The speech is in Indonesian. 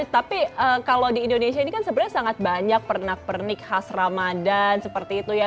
tapi kalau di indonesia ini kan sebenarnya sangat banyak pernak pernik khas ramadan seperti itu ya